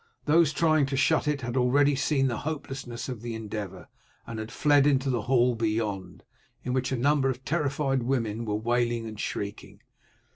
Those trying to shut it had already seen the hopelessness of the endeavour, and had fled into the hall beyond, in which a number of terrified women were wailing and shrieking.